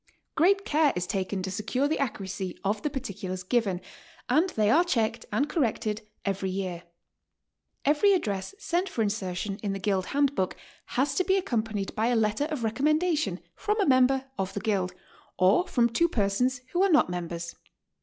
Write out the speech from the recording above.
Great care is taken to secure the accuracy of the particulars given, and they are checked and corrected every .year. Every address sent for insertion in the Guild Hand book has to be accompanied by a letter of recommen dation from a member of the Guild or from two persons who are not members.